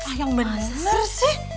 ah yang bener sih